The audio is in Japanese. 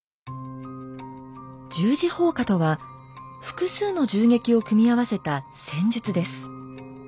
「十字砲火」とは複数の銃撃を組み合わせた戦術です。